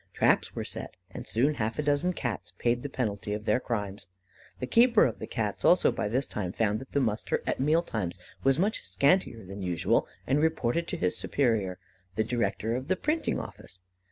Traps were set, and soon half a dozen Cats paid the penalty of their crimes. The keeper of the Cats, also, by this time, found that the muster at meal times was much scantier than usual, and reported to his superior, the director of the printing office.